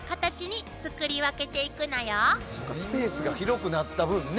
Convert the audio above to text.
スペースが広くなった分ね。